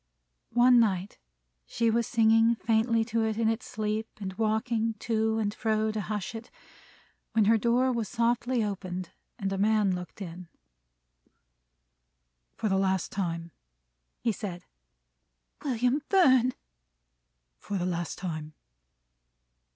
One night she was singing faintly to it in its sleep and walking to and fro to hush it, when her door was softly opened, and a man looked in. "For the last time," he said. "William Fern!" "For the last time."